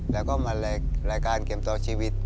แล้วก็มารายการเกมต่อชีวิต